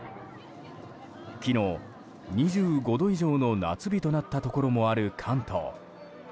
昨日２５度以上の夏日となったところもある関東。